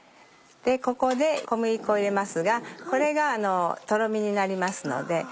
ここで小麦粉を入れますがこれがとろみになりますので。